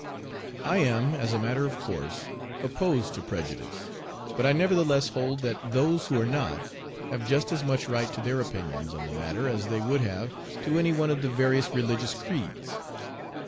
I am as a matter of course opposed to prejudice, but I nevertheless hold that those who are not have just as much right to their opinions on the matter as they would have to any one of the various religious creeds.